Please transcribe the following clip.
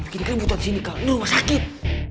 jangan bikin ributan di sini kal nggak sakit